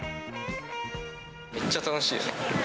めっちゃ楽しい。